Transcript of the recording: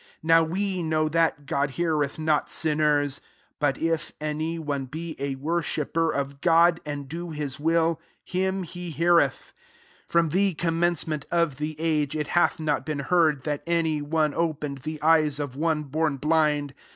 31 [JVbw] ^® know that God hear eth not sinners : but if any one L>e a worshipper of God, and do liis will, him he heareth. 32 Rrom the commencement of the age, it hath not been heard that any one opened the eyes of one bom blind.